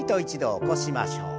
起こしましょう。